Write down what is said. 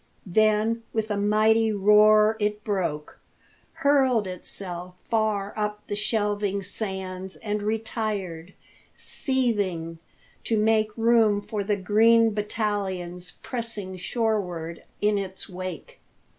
Then with a mighty roar it broke, hurled itself far up the shelving sands, and retired, seething, to make room for the green battalions pressing shorewards in its wake.